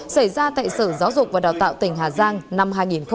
xảy ra tại sở giáo dục và đào tạo tỉnh hà giang năm hai nghìn một mươi bảy